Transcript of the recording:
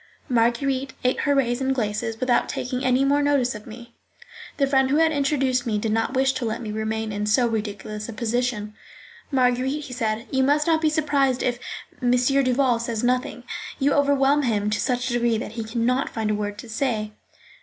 Marguerite ate her raisins glaces without taking any more notice of me. The friend who had introduced me did not wish to let me remain in so ridiculous a position. "Marguerite," he said, "you must not be surprised if M. Duval says nothing: you overwhelm him to such a degree that he can not find a word to say."